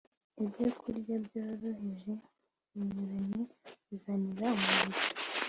Ibyokurya byoroheje binyuranye bizanira umubiri